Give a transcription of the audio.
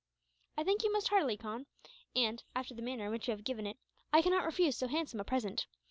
"I thank you most heartily, Khan; and, after the manner in which you have given it, I cannot refuse so handsome a present.